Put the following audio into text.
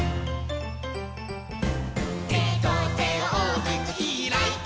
「テトテをおおきくひらいて」